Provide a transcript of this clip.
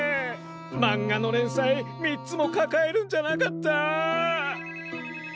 まんがのれんさい３つもかかえるんじゃなかった！